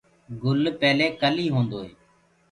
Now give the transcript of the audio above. گُل پيلي ڪلي هوندو هي۔